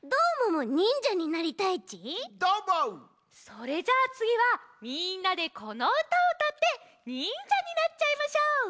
それじゃあつぎはみんなでこのうたをうたって忍者になっちゃいましょう！